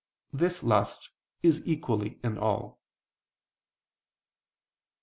This lust is equally in all.